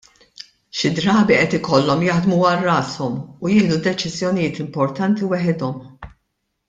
Xi drabi qed ikollhom jaħdmu għal rashom u jieħdu deċiżjonijiet importanti weħidhom.